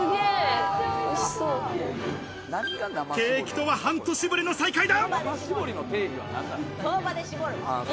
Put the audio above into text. ケーキとは半年ぶりの再会だ！